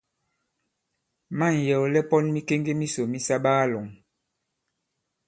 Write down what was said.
Ma᷇ŋ yɛ̀wlɛ pɔn mikeŋge misò mi sa baa-lɔ̄ŋ.